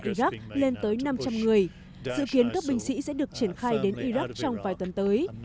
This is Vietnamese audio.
iraq lên tới năm trăm linh người dự kiến các binh sĩ sẽ được triển khai đến iraq trong vài tuần tới